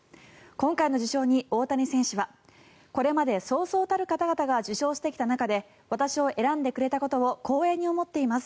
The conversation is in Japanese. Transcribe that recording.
今回の受賞に、大谷選手はこれまでそうそうたる方々が受賞してきた中で私を選んでくれたことを光栄に思っています。